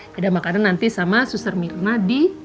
ya udah makanan nanti sama suster mirna di